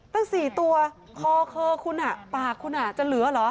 ตั้ง๔ตัวคอเคอคุณปากคุณจะเหลือเหรอ